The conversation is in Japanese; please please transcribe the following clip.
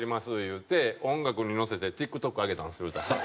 言うて音楽に乗せてＴｉｋＴｏｋ上げたんですよ。